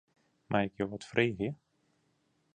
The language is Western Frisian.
Mei ik jo wat freegje?